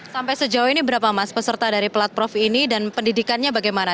sampai sejauh ini berapa mas peserta dari plat prof ini dan pendidikannya bagaimana